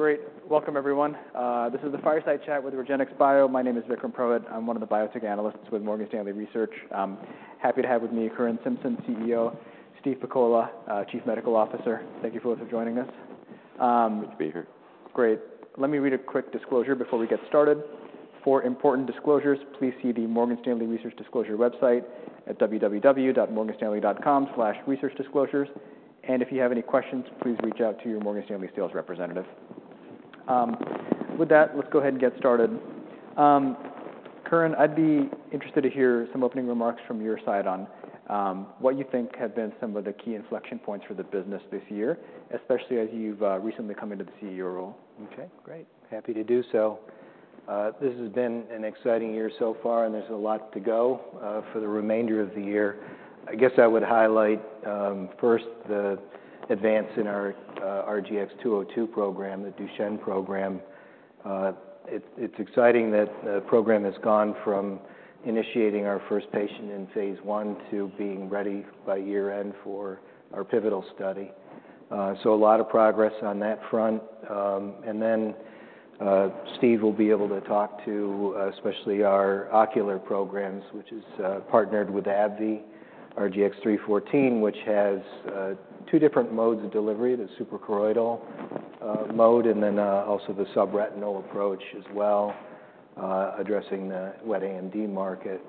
Great. Welcome, everyone. This is the Fireside Chat with REGENXBIO. My name is Vikram Prahalad. I'm one of the biotech analysts with Morgan Stanley Research. Happy to have with me Curran Simpson, CEO, Steve Pakola, Chief Medical Officer. Thank you both for joining us. Good to be here. Great! Let me read a quick disclosure before we get started. For important disclosures, please see the Morgan Stanley Research Disclosure website at www.morganstanley.com/researchdisclosures. And if you have any questions, please reach out to your Morgan Stanley sales representative. With that, let's go ahead and get started. Curran, I'd be interested to hear some opening remarks from your side on what you think have been some of the key inflection points for the business this year, especially as you've recently come into the CEO role? Okay, great. Happy to do so. This has been an exciting year so far, and there's a lot to go for the remainder of the year. I guess I would highlight first the advance in our RGX-202 program, the Duchenne program. It's exciting that the program has gone from initiating our first patient in phase 1 to being ready by year-end for our pivotal study. So a lot of progress on that front. And then Steve will be able to talk to especially our ocular programs, which is partnered with AbbVie, RGX-314, which has two different modes of delivery: the suprachoroidal mode, and then also the subretinal approach as well, addressing the wet AMD market.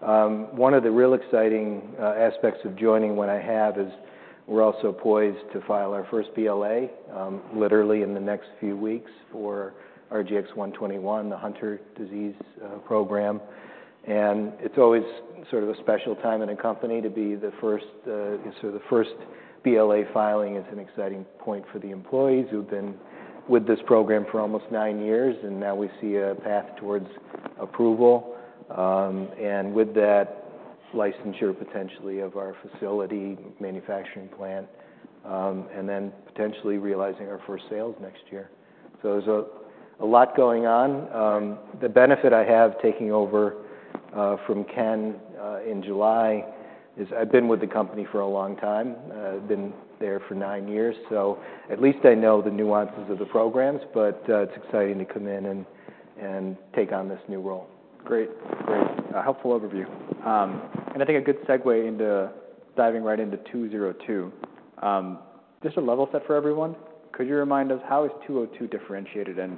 One of the real exciting aspects of joining when I have is, we're also poised to file our first BLA literally in the next few weeks for RGX-121, the Hunter disease program. It's always sort of a special time in a company to be the first, so the first BLA filing is an exciting point for the employees who've been with this program for almost nine years, and now we see a path towards approval. And with that, licensure, potentially, of our facility manufacturing plant, and then potentially realizing our first sales next year. So there's a lot going on. The benefit I have taking over from Ken in July is I've been with the company for a long time. I've been there for nine years, so at least I know the nuances of the programs, but it's exciting to come in and take on this new role. Great. Great. A helpful overview, and I think a good segue into diving right into two zero two. Just a level set for everyone, could you remind us how two oh two is differentiated and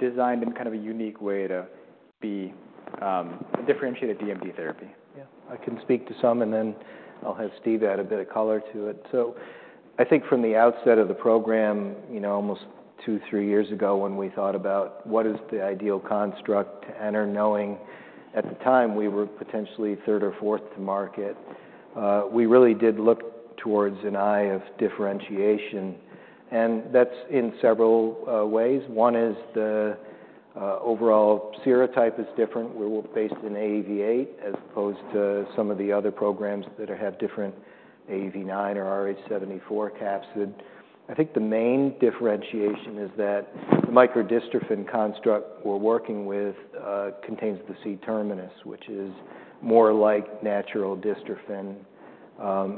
designed in kind of a unique way to be a differentiated DMD therapy? Yeah, I can speak to some, and then I'll have Steve add a bit of color to it. So I think from the outset of the program, you know, almost two, three years ago, when we thought about what is the ideal construct to enter, knowing at the time we were potentially third or fourth to market, we really did look towards an area of differentiation, and that's in several ways. One is the overall serotype is different. We're based in AAV8, as opposed to some of the other programs that have different AAV9 or rh74 capsid. I think the main differentiation is that the microdystrophin construct we're working with contains the C terminus, which is more like natural dystrophin,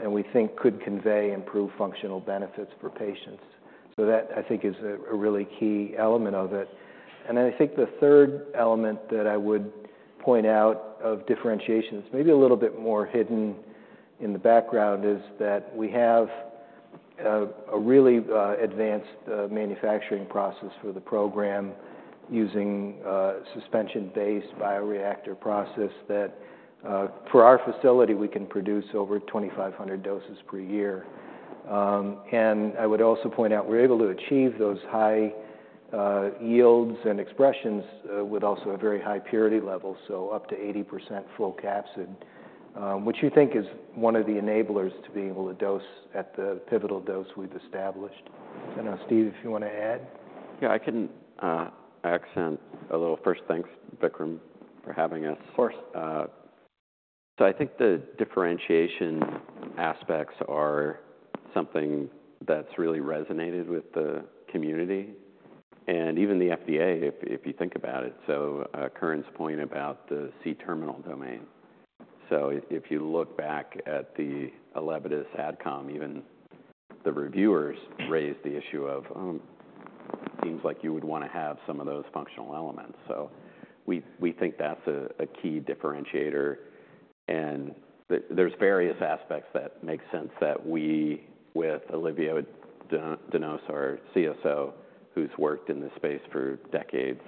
and we think could convey improved functional benefits for patients. So that, I think, is a really key element of it. And then I think the third element that I would point out of differentiation, it's maybe a little bit more hidden in the background, is that we have a really advanced manufacturing process for the program using a suspension-based bioreactor process that for our facility, we can produce over 2500 doses per year. And I would also point out, we're able to achieve those high yields and expressions with also a very high purity level, so up to 80% full capsid, which you think is one of the enablers to being able to dose at the pivotal dose we've established. I know, Steve, if you want to add? Yeah, I can answer a little. First, thanks, Vikram, for having us. Of course. I think the differentiation aspects are something that's really resonated with the community and even the FDA, if you think about it. Curran's point about the C-terminal domain. So if you look back at the Elevidys AdCom, even the reviewers raised the issue of, "seems like you would want to have some of those functional elements." So we think that's a key differentiator. And there's various aspects that make sense that we, with Olivier Danos, our CSO, who's worked in this space for decades,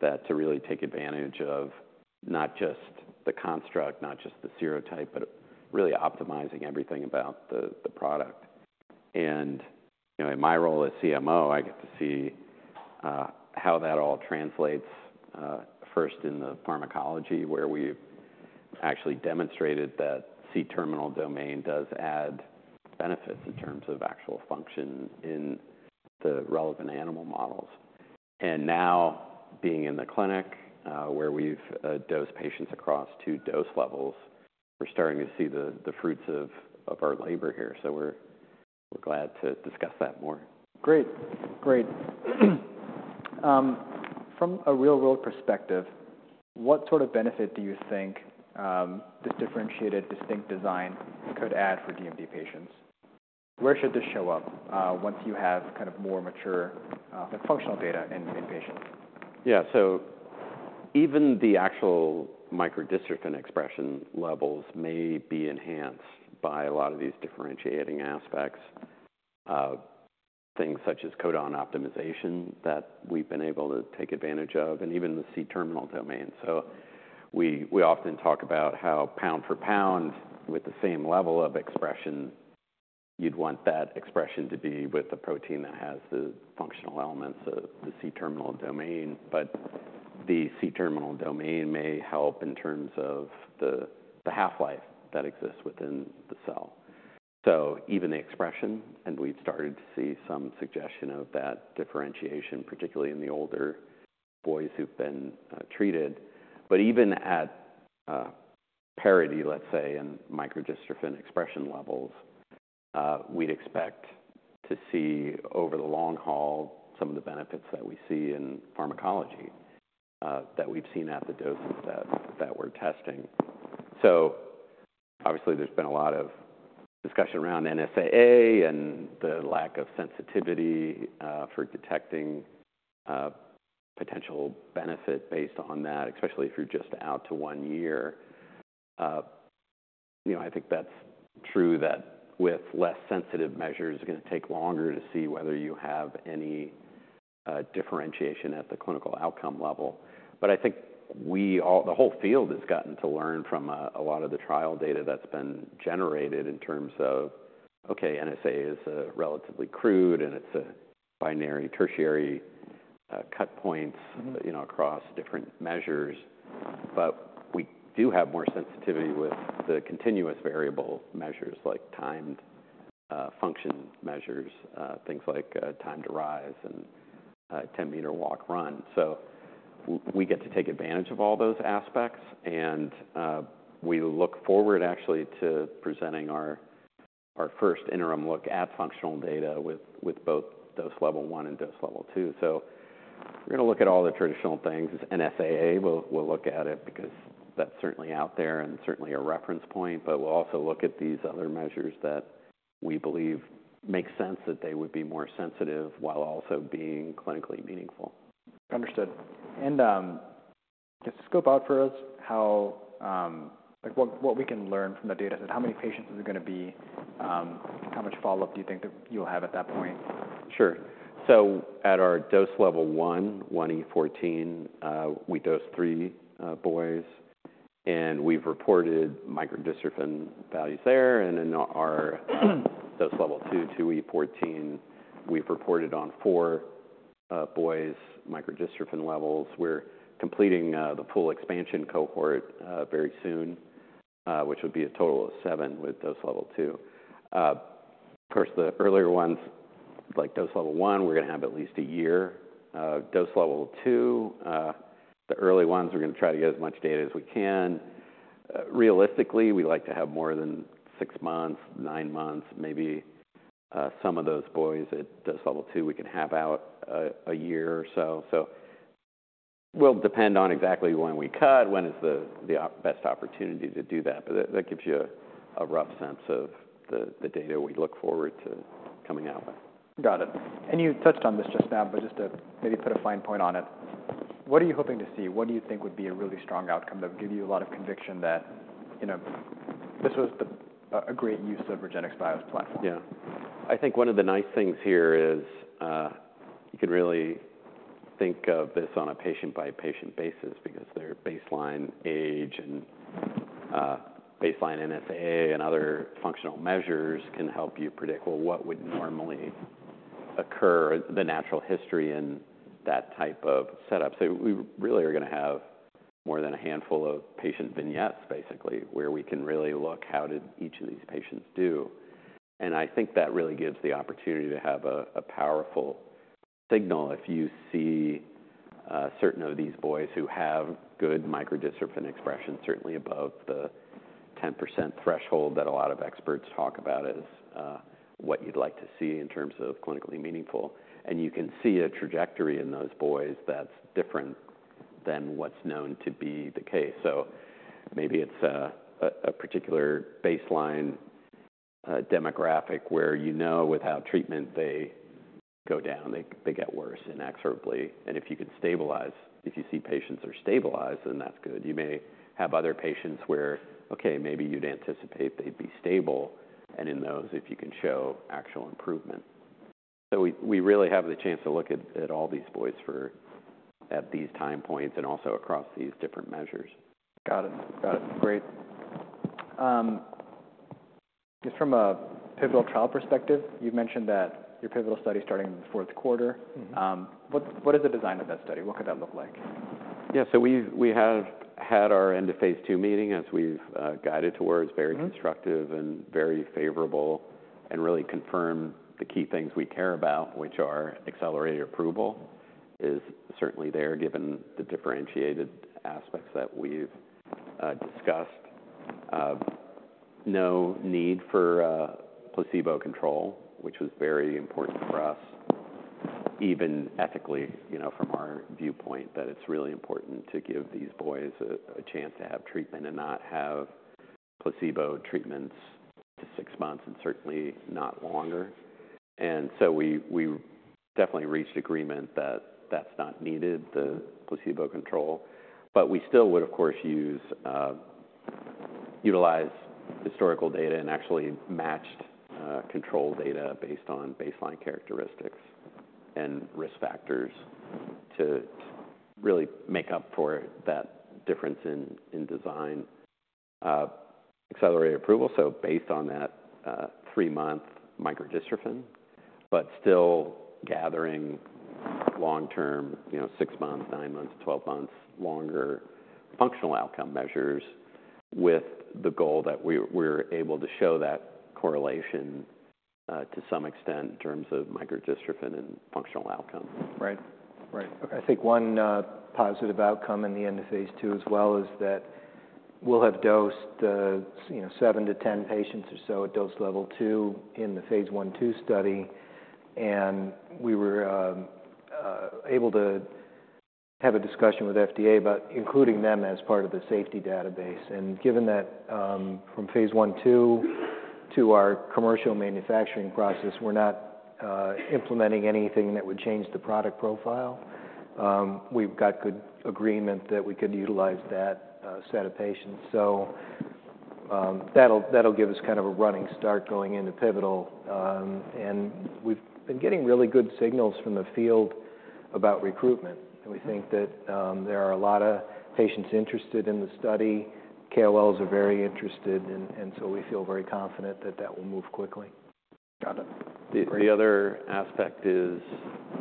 that to really take advantage of not just the construct, not just the serotype, but really optimizing everything about the product. You know, in my role as CMO, I get to see how that all translates first in the pharmacology, where we've actually demonstrated that C-terminal domain does add benefits in terms of actual function in the relevant animal models. Now, being in the clinic, where we've dosed patients across two dose levels, we're starting to see the fruits of our labor here. We're glad to discuss that more. Great. Great. From a real-world perspective, what sort of benefit do you think this differentiated, distinct design could add for DMD patients? Where should this show up once you have kind of more mature functional data in patients? Yeah, so even the actual microdystrophin expression levels may be enhanced by a lot of these differentiating aspects of things such as codon optimization that we've been able to take advantage of, and even the C-terminal domain. So we, we often talk about how pound for pound, with the same level of expression, you'd want that expression to be with a protein that has the functional elements of the C-terminal domain. But the C-terminal domain may help in terms of the, the half-life that exists within the cell. So even the expression, and we've started to see some suggestion of that differentiation, particularly in the older boys who've been treated. But even at parity, let's say, in microdystrophin expression levels, we'd expect to see over the long haul some of the benefits that we see in pharmacology that we've seen at the doses that we're testing. So obviously, there's been a lot of discussion around NSAA and the lack of sensitivity for detecting potential benefit based on that, especially if you're just out to one year. You know, I think that's true that with less sensitive measures, it's gonna take longer to see whether you have any differentiation at the clinical outcome level. But I think we all, the whole field has gotten to learn from a lot of the trial data that's been generated in terms of, okay, NSAA is relatively crude, and it's a binary, tertiary cut points- Mm-hmm... you know, across different measures. But we do have more sensitivity with the continuous variable measures, like timed function measures, things like time to rise and a 10-meter walk, run. So we get to take advantage of all those aspects, and we look forward actually to presenting our first interim look at functional data with both dose level one and dose level two. So we're gonna look at all the traditional things. NSAA, we'll look at it because that's certainly out there and certainly a reference point, but we'll also look at these other measures that we believe make sense that they would be more sensitive while also being clinically meaningful. Understood. And, just scope out for us how... Like, what we can learn from the data, and how many patients is it gonna be? How much follow-up do you think that you'll have at that point? Sure. So at our dose Level 1, 1E14, we dosed three boys, and we've reported microdystrophin values there and in our dose level two, 2E14, we've reported on four boys' microdystrophin levels. We're completing the full expansion cohort very soon, which would be a total of seven with dose level two. Of course, the earlier ones, like dose level one, we're gonna have at least a year. Dose level two, the early ones, we're gonna try to get as much data as we can. Realistically, we like to have more than six months, nine months, maybe, some of those boys at dose Level 2, we can have out a year or so. So will depend on exactly when we cut, when is the best opportunity to do that, but that gives you a rough sense of the data we look forward to coming out with. Got it. And you touched on this just now, but just to maybe put a fine point on it, what are you hoping to see? What do you think would be a really strong outcome that would give you a lot of conviction that, you know, this was a great use of REGENXBIO's platform? Yeah. I think one of the nice things here is you can really think of this on a patient-by-patient basis because their baseline age and baseline NSAA and other functional measures can help you predict, well, what would normally occur, the natural history in that type of setup. So we really are gonna have more than a handful of patient vignettes, basically, where we can really look how did each of these patients do. And I think that really gives the opportunity to have a powerful signal if you see certain of these boys who have good microdystrophin expression, certainly above the 10% threshold that a lot of experts talk about as what you'd like to see in terms of clinically meaningful, and you can see a trajectory in those boys that's different than what's known to be the case. So maybe it's a particular baseline demographic where you know without treatment they go down. They get worse inexorably, and if you can stabilize, if you see patients are stabilized, then that's good. You may have other patients where, okay, maybe you'd anticipate they'd be stable, and in those, if you can show actual improvement. So we really have the chance to look at all these boys at these time points and also across these different measures. Got it. Got it. Great. Just from a pivotal trial perspective, you've mentioned that your pivotal study is starting in the fourth quarter. Mm-hmm. What is the design of that study? What could that look like? Yeah, so we have had our end-of-phase 2 meeting, as we've guided towards. Mm-hmm... very constructive and very favorable, and really confirmed the key things we care about, which are accelerated approval, is certainly there, given the differentiated aspects that we've discussed. No need for a placebo control, which was very important for us, even ethically, you know, from our viewpoint, that it's really important to give these boys a chance to have treatment and not have placebo treatments to six months, and certainly not longer. And so we definitely reached agreement that that's not needed, the placebo control. But we still would, of course, utilize historical data and actually matched control data based on baseline characteristics and risk factors to really make up for that difference in design, accelerated approval. So based on that, three-month microdystrophin, but still gathering long-term, you know, six months, nine months, twelve months, longer functional outcome measures with the goal that we're able to show that correlation, to some extent in terms of microdystrophin and functional outcome. Right. Right. Okay, I think one positive outcome in the end of phase two as well is that we'll have dosed, you know, seven to 10 patients or so at dose level two in the phase one/two study. And we were able to have a discussion with FDA about including them as part of the safety database. And given that, from phase one/two to our commercial manufacturing process, we're not implementing anything that would change the product profile, we've got good agreement that we could utilize that set of patients. So, that'll, that'll give us kind of a running start going into pivotal. And we've been getting really good signals from the field about recruitment, and we think that there are a lot of patients interested in the study. KOLs are very interested, and so we feel very confident that will move quickly. Got it. The other aspect is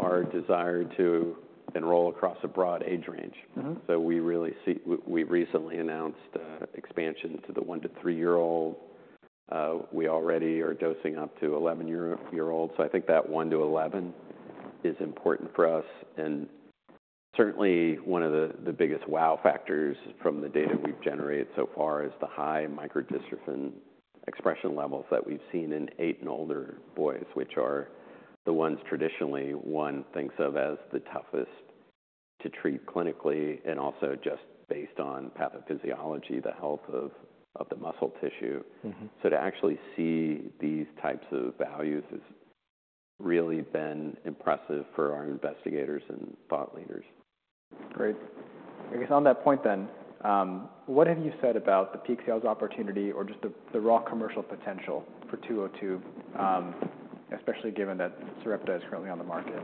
our desire to enroll across a broad age range. Mm-hmm. So we really see we recently announced expansion to the one to three-year-old. We already are dosing up to 11-year-old, so I think that one to 11 is important for us. And certainly, one of the biggest wow factors from the data we've generated so far is the high microdystrophin expression levels that we've seen in 8 and older boys, which are the ones traditionally one thinks of as the toughest to treat clinically, and also just based on pathophysiology, the health of the muscle tissue. Mm-hmm. So to actually see these types of values has really been impressive for our investigators and thought leaders. Great. I guess on that point then, what have you said about the peak sales opportunity or just the, the raw commercial potential for two oh two, especially given that Sarepta is currently on the market?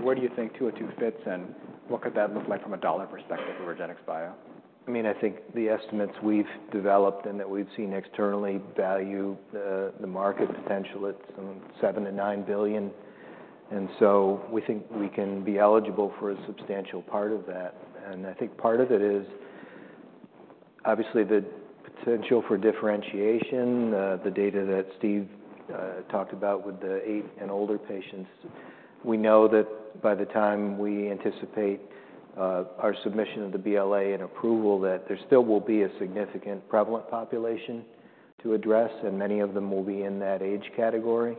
Where do you think two oh two fits, and what could that look like from a dollar perspective for REGENXBIO? I mean, I think the estimates we've developed and that we've seen externally value the market potential at some $7 billion-$9 billion, and so we think we can be eligible for a substantial part of that. I think part of it is obviously the potential for differentiation, the data that Steve talked about with the eight and older patients. We know that by the time we anticipate our submission of the BLA and approval, that there still will be a significant prevalent population to address, and many of them will be in that age category.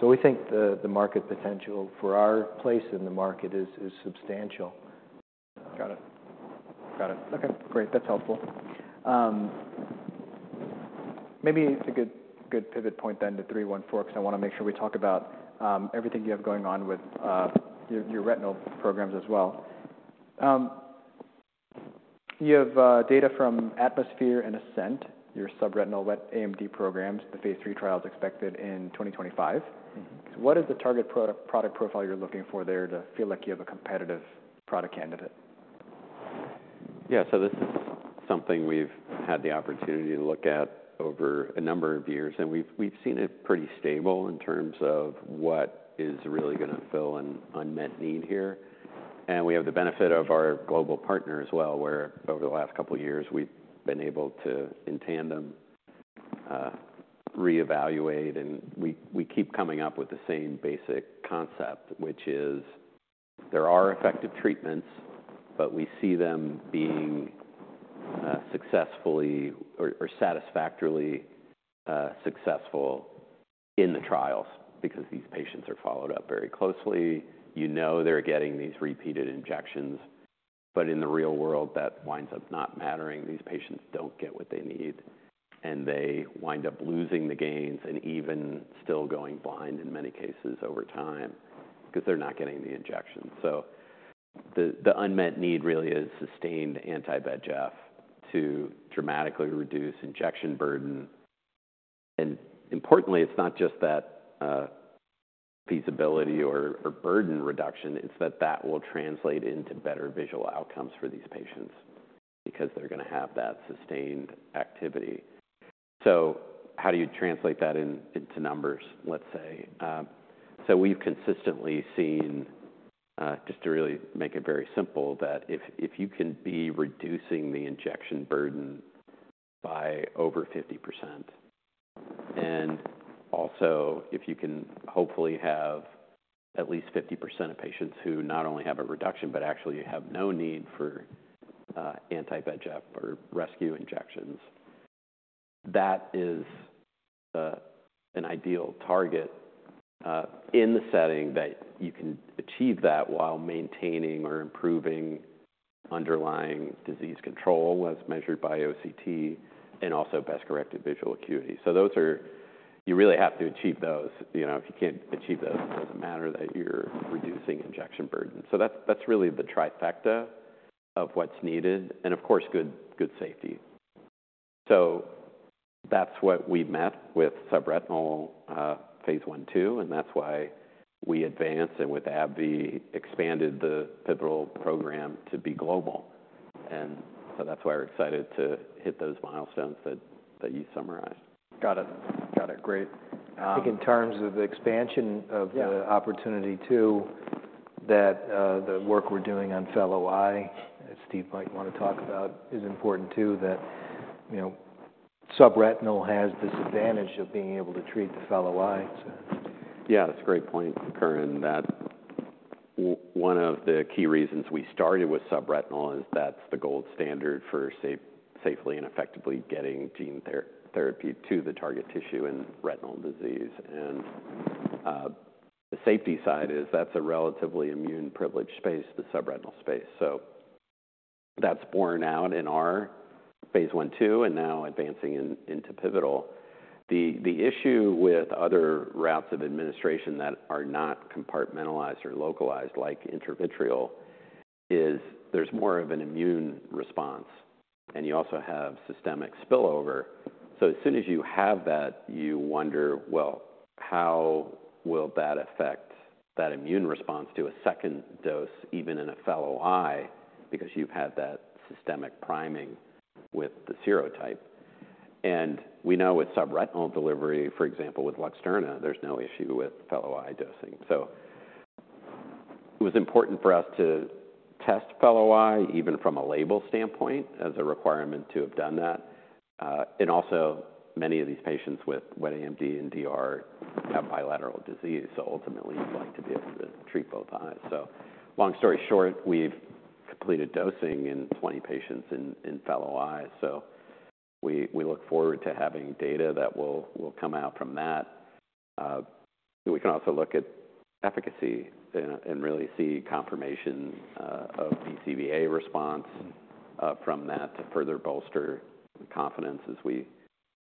So we think the market potential for our place in the market is substantial. Got it. Got it. Okay, great. That's helpful. Maybe it's a good pivot point then to three one four, because I want to make sure we talk about everything you have going on with your retinal programs as well. You have data from Atmosphere and Ascent, your subretinal wet AMD programs, the Phase 3 trial is expected in 2025. Mm-hmm. So what is the target product profile you're looking for there to feel like you have a competitive product candidate? Yeah, so this is something we've had the opportunity to look at over a number of years, and we've seen it pretty stable in terms of what is really going to fill an unmet need here. And we have the benefit of our global partner as well, where over the last couple of years, we've been able to, in tandem, reevaluate, and we keep coming up with the same basic concept, which is there are effective treatments, but we see them being successfully or satisfactorily successful in the trials because these patients are followed up very closely. You know they're getting these repeated injections, but in the real world, that winds up not mattering. These patients don't get what they need, and they wind up losing the gains and even still going blind in many cases over time because they're not getting the injections. So the unmet need really is sustained anti-VEGF to dramatically reduce injection burden. And importantly, it's not just that, feasibility or burden reduction, it's that that will translate into better visual outcomes for these patients because they're going to have that sustained activity. So how do you translate that into numbers, let's say? So we've consistently seen, just to really make it very simple, that if you can be reducing the injection burden by over 50% and also, if you can hopefully have at least 50% of patients who not only have a reduction, but actually have no need for anti-VEGF or rescue injections, that is an ideal target in the setting that you can achieve that while maintaining or improving underlying disease control as measured by OCT and also best-corrected visual acuity. You really have to achieve those. You know, if you can't achieve those, it doesn't matter that you're reducing injection burden. So that's, that's really the trifecta of what's needed and, of course, good, good safety. So that's what we met with subretinal phase I/II, and that's why we advanced, and with AbbVie, expanded the pivotal program to be global. And so that's why we're excited to hit those milestones that, that you summarized. Got it. Got it. Great. I think in terms of the expansion of- Yeah the opportunity too, that, the work we're doing on fellow eye, as Steve might want to talk about, is important too, that, you know, subretinal has this advantage of being able to treat the fellow eye, so. Yeah, that's a great point, Karan. That one of the key reasons we started with subretinal is that's the gold standard for safely and effectively getting gene therapy to the target tissue in retinal disease. And the safety side is that's a relatively immune-privileged space, the subretinal space. So that's borne out in our phase I/II, and now advancing into pivotal. The issue with other routes of administration that are not compartmentalized or localized, like intravitreal, is there's more of an immune response, and you also have systemic spillover. So as soon as you have that, you wonder, well, how will that affect that immune response to a second dose, even in a fellow eye, because you've had that systemic priming with the serotype. And we know with subretinal delivery, for example, with Luxturna, there's no issue with fellow eye dosing. So it was important for us to test fellow eye, even from a label standpoint, as a requirement to have done that. And also, many of these patients with wet AMD and DR have bilateral disease, so ultimately, you'd like to be able to treat both eyes. So long story short, we've completed dosing in 20 patients in fellow eyes, so we look forward to having data that will come out from that. We can also look at efficacy and really see confirmation of BCVA response from that to further bolster confidence as we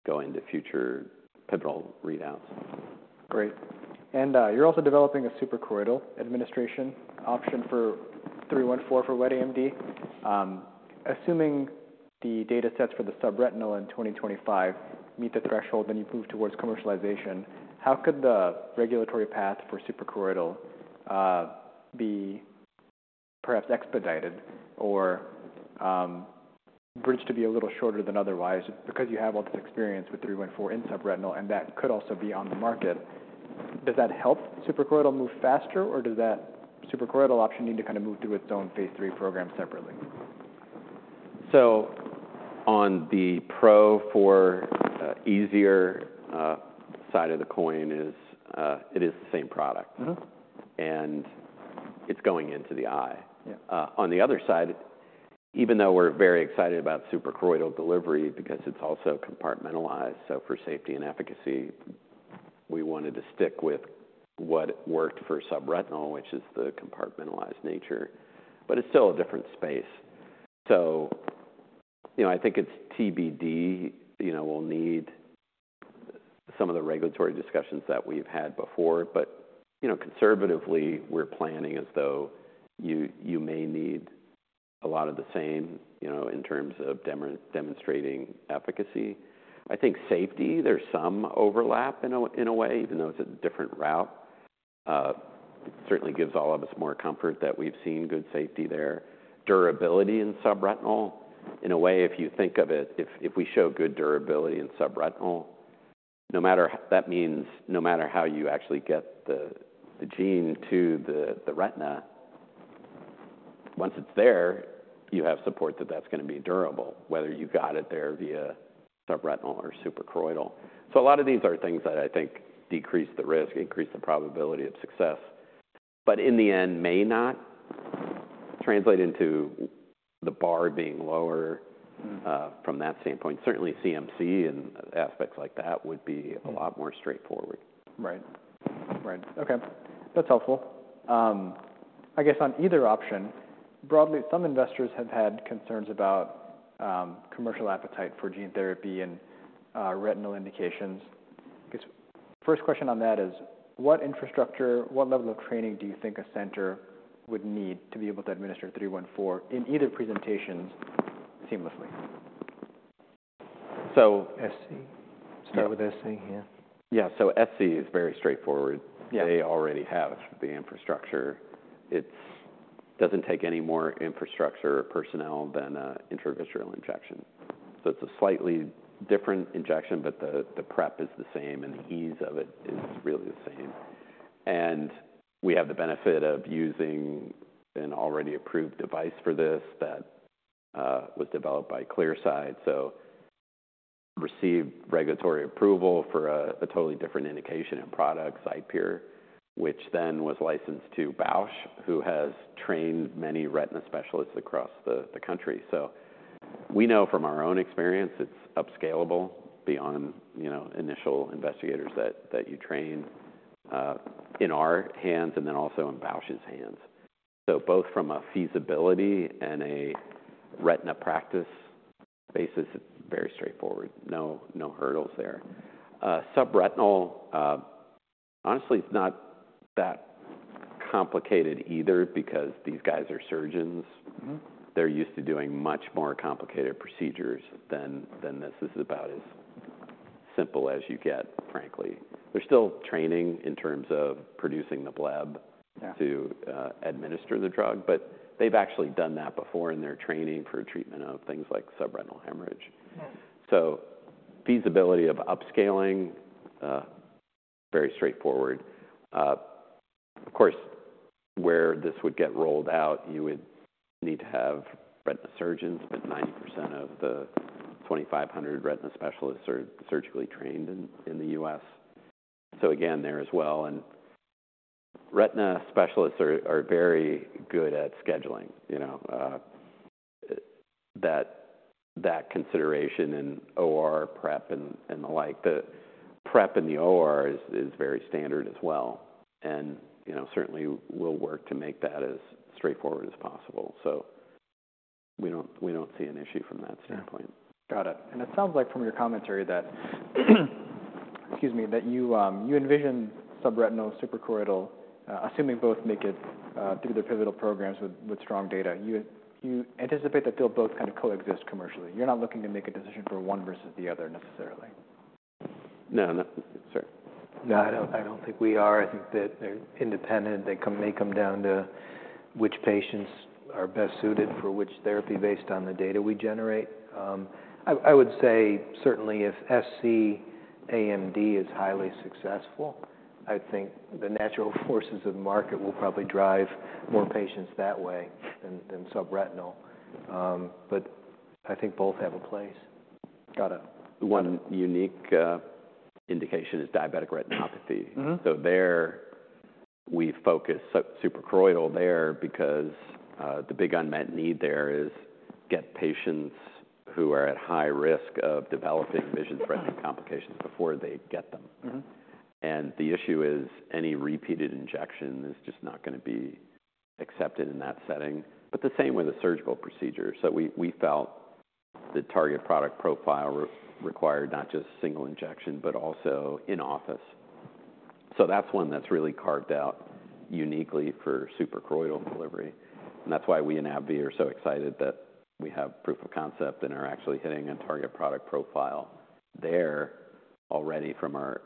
go into future pivotal readouts. Great. And you're also developing a suprachoroidal administration option for three one four for wet AMD. Assuming the datasets for the subretinal in 2025 meet the threshold, then you move towards commercialization, how could the regulatory path for suprachoroidal be perhaps expedited or bridged to be a little shorter than otherwise? Because you have all this experience with three one four in subretinal, and that could also be on the market. Does that help suprachoroidal move faster, or does that suprachoroidal option need to kind of move through its own phase III program separately? On the pro for easier side of the coin is, it is the same product. Mm-hmm. It's going into the eye. Yeah. On the other side, even though we're very excited about suprachoroidal delivery because it's also compartmentalized, so for safety and efficacy, we wanted to stick with what worked for subretinal, which is the compartmentalized nature, but it's still a different space. So, you know, I think it's TBD. You know, we'll need some of the regulatory discussions that we've had before, but, you know, conservatively, we're planning as though you may need a lot of the same, you know, in terms of demonstrating efficacy. I think safety, there's some overlap in a way, even though it's a different route. It certainly gives all of us more comfort that we've seen good safety there. Durability in subretinal, in a way, if you think of it, if we show good durability in subretinal, no matter how you actually get the gene to the retina, once it's there, you have support that that's going to be durable, whether you got it there via subretinal or suprachoroidal. So a lot of these are things that I think decrease the risk, increase the probability of success, but in the end, may not translate into the bar being lower. Mm-hmm... from that standpoint. Certainly, CMC and aspects like that would be- Mm-hmm A lot more straightforward. Right. Right. Okay, that's helpful. I guess on either option, broadly, some investors have had concerns about, commercial appetite for gene therapy and, retinal indications. I guess, first question on that is: What infrastructure, what level of training do you think a center would need to be able to administer three one four in either presentations seamlessly? So- SC? Yeah. Start with SC, yeah. Yeah, so SC is very straightforward. Yeah. They already have the infrastructure. It doesn't take any more infrastructure or personnel than a intravitreal injection. So it's a slightly different injection, but the prep is the same, and the ease of it is really the same. And we have the benefit of using an already approved device for this that was developed by Clearside. So received regulatory approval for a totally different indication and product, Xipere, which then was licensed to Bausch, who has trained many retina specialists across the country. So we know from our own experience, it's upscalable beyond, you know, initial investigators that you train in our hands and then also in Bausch's hands. So both from a feasibility and a retina practice basis, it's very straightforward. No hurdles there. Subretinal, honestly, it's not that complicated either because these guys are surgeons. Mm-hmm. They're used to doing much more complicated procedures than this. This is about as simple as you get, frankly. There's still training in terms of producing the bleb- Yeah To administer the drug, but they've actually done that before in their training for treatment of things like subretinal hemorrhage. Mm. So feasibility of upscaling is very straightforward. Of course, where this would get rolled out, you would need to have retina surgeons, but 90% of the 2,500 retina specialists are surgically trained in the U.S. So again, there as well, and retina specialists are very good at scheduling, you know. That consideration and OR prep and the like, the prep in the OR is very standard as well, and you know, certainly we'll work to make that as straightforward as possible. So we don't see an issue from that standpoint. Yeah. Got it. And it sounds like from your commentary that, excuse me, that you envision subretinal, suprachoroidal, assuming both make it through the pivotal programs with strong data, you anticipate that they'll both kind of coexist commercially. You're not looking to make a decision for one versus the other necessarily? No, no, sir. No, I don't, I don't think we are. I think that they're independent. They come down to which patients are best suited for which therapy based on the data we generate. I would say certainly if SC AMD is highly successful, I think the natural forces of the market will probably drive more patients that way than subretinal. But I think both have a place. Got it. One unique indication is diabetic retinopathy. Mm-hmm. So there we focus suprachoroidal there because the big unmet need there is get patients who are at high risk of developing vision-threatening complications before they get them. Mm-hmm. The issue is any repeated injection is just not going to be accepted in that setting, but the same with a surgical procedure. So we felt the target product profile required not just single injection, but also in-office. So that's one that's really carved out uniquely for suprachoroidal delivery, and that's why we and AbbVie are so excited that we have proof of concept and are actually hitting a target product profile there already from our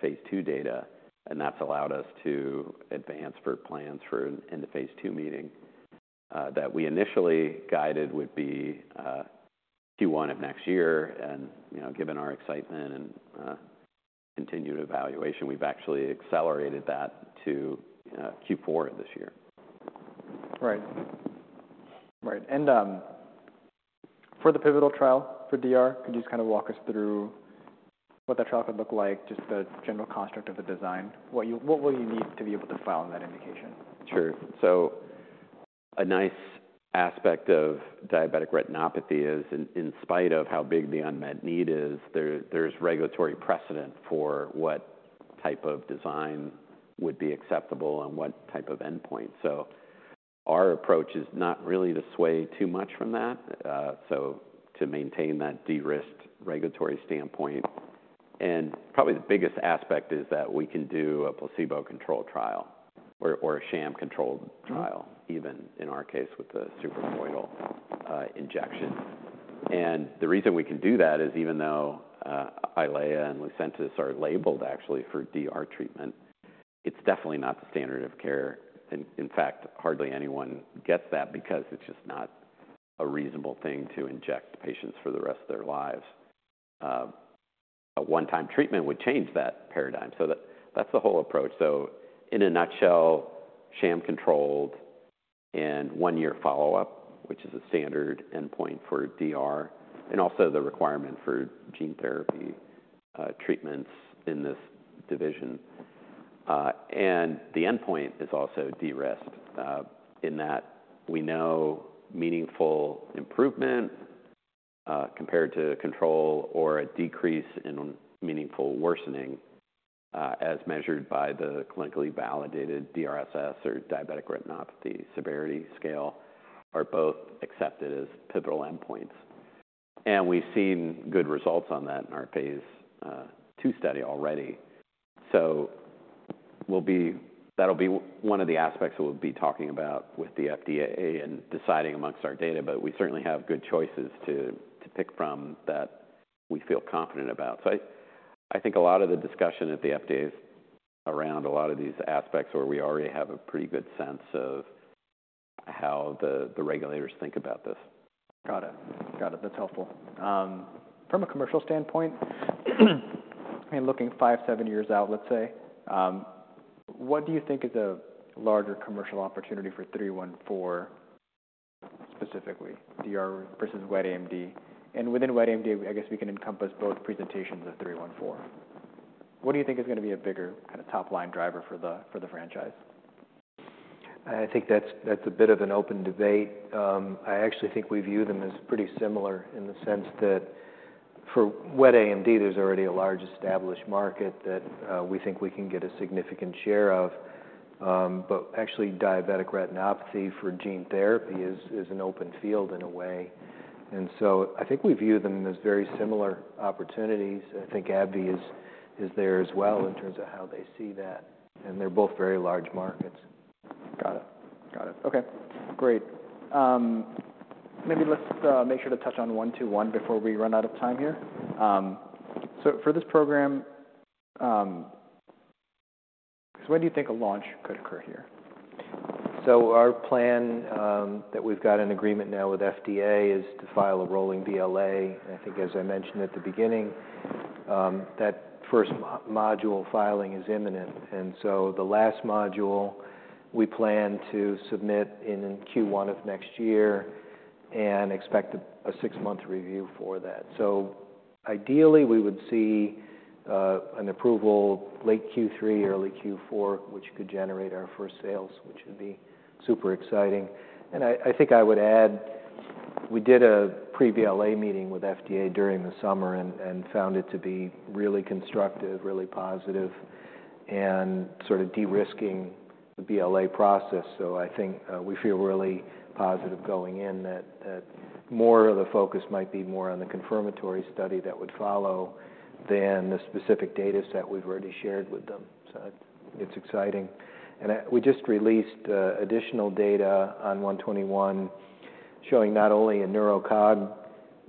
phase II data, and that's allowed us to advance our plans for the phase II meeting that we initially guided would be Q1 of next year. You know, given our excitement and continued evaluation, we've actually accelerated that to Q4 of this year. Right. Right, and, for the pivotal trial for DR, could you just kind of walk us through what that trial could look like, just the general construct of the design? What you-- What will you need to be able to file in that indication? Sure. So a nice aspect of diabetic retinopathy is, in spite of how big the unmet need is, there's regulatory precedent for what type of design would be acceptable and what type of endpoint. So our approach is not really to sway too much from that, so to maintain that de-risked regulatory standpoint. And probably the biggest aspect is that we can do a placebo-controlled trial or a sham-controlled- Mm-hmm... trial, even in our case, with the suprachoroidal injection. And the reason we can do that is even though EYLEA and Lucentis are labeled actually for DR treatment, it's definitely not the standard of care. In fact, hardly anyone gets that because it's just not a reasonable thing to inject patients for the rest of their lives. A one-time treatment would change that paradigm. So that's the whole approach. So in a nutshell, sham controlled and one-year follow-up, which is a standard endpoint for DR, and also the requirement for gene therapy treatments in this division. And the endpoint is also de-risked in that we know meaningful improvement compared to control or a decrease in meaningful worsening as measured by the clinically validated DRSS or Diabetic Retinopathy Severity Scale are both accepted as pivotal endpoints. We've seen good results on that in our phase II study already. So we'll be. That'll be one of the aspects we'll be talking about with the FDA and deciding amongst our data, but we certainly have good choices to pick from that we feel confident about. So I think a lot of the discussion at the FDA is around a lot of these aspects where we already have a pretty good sense of-... how the regulators think about this. Got it. Got it. That's helpful. From a commercial standpoint, and looking five, seven years out, let's say, what do you think is a larger commercial opportunity for RGX-314, specifically, DR versus wet AMD? And within wet AMD, I guess we can encompass both presentations of RGX-314. What do you think is gonna be a bigger kind of top-line driver for the franchise? I think that's a bit of an open debate. I actually think we view them as pretty similar in the sense that for wet AMD, there's already a large established market that, we think we can get a significant share of, but actually, diabetic retinopathy for gene therapy is an open field in a way, and so I think we view them as very similar opportunities. I think AbbVie is there as well in terms of how they see that, and they're both very large markets. Got it. Got it. Okay, great. Maybe let's make sure to touch on one two one before we run out of time here. So for this program, so when do you think a launch could occur here? So our plan, that we've got an agreement now with FDA, is to file a rolling BLA. I think, as I mentioned at the beginning, that first module filing is imminent, and so the last module, we plan to submit in Q1 of next year and expect a six-month review for that. So ideally, we would see an approval late Q3, early Q4, which could generate our first sales, which would be super exciting. And I think I would add, we did a pre-BLA meeting with FDA during the summer and found it to be really constructive, really positive in sort of de-risking the BLA process. So I think, we feel really positive going in, that more of the focus might be more on the confirmatory study that would follow than the specific data set we've already shared with them. So it's exciting. We just released additional data on 121, showing not only a neurocognitive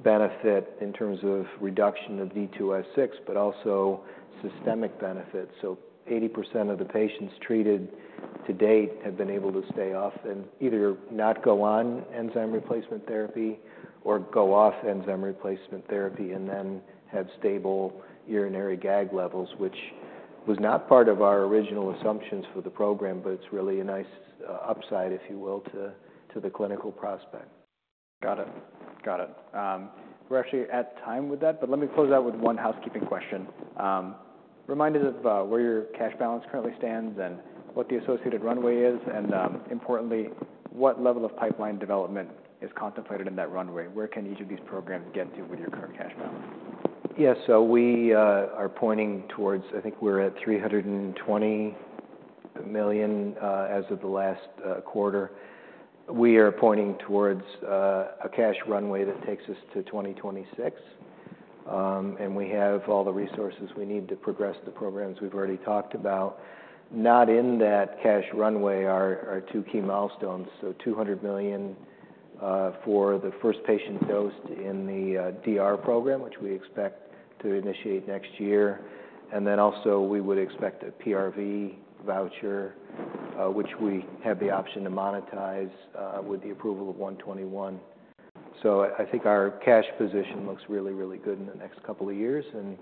benefit in terms of reduction of CSF D2, but also systemic benefits. So 80% of the patients treated to date have been able to stay off, and either not go on enzyme replacement therapy or go off enzyme replacement therapy and then have stable urinary GAG levels, which was not part of our original assumptions for the program, but it's really a nice upside, if you will, to the clinical prospect. Got it. We're actually at time with that, but let me close out with one housekeeping question. Remind us of where your cash balance currently stands and what the associated runway is, and importantly, what level of pipeline development is contemplated in that runway. Where can each of these programs get to with your current cash balance? Yeah. So we are pointing towards. I think we're at $320 million as of the last quarter. We are pointing towards a cash runway that takes us to 2026. And we have all the resources we need to progress the programs we've already talked about. Not in that cash runway are two key milestones, so $200 million for the first patient dosed in the DR program, which we expect to initiate next year, and then also, we would expect a PRV voucher, which we have the option to monetize with the approval of 121. So I think our cash position looks really, really good in the next couple of years, and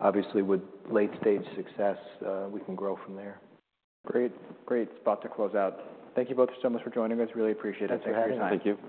obviously with late-stage success, we can grow from there. Great. Great spot to close out. Thank you both so much for joining us. Really appreciate it. Thanks for having us. Thank you.